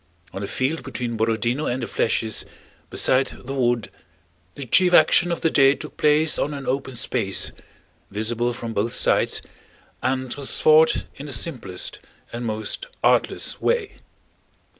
On the field between Borodinó and the flèches, beside the wood, the chief action of the day took place on an open space visible from both sides and was fought in the simplest and most artless way.